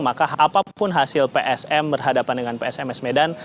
maka apapun hasil psm berhadapan dengan psms medan